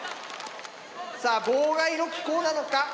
さあ妨害の機構なのか？